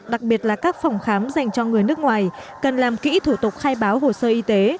đặc biệt là các phòng khám dành cho người nước ngoài cần làm kỹ thủ tục khai báo hồ sơ y tế